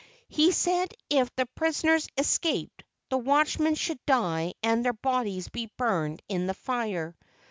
He said if the prisoners escaped, the watchmen should die and their bodies be burned in the fire.